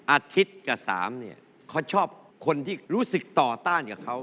อาทิตย์กับ๓เนี่ยเขาชอบคนที่รู้สึกต่อต้านกับเขา